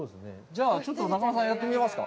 じゃあちょっと中丸さん、やってみますか？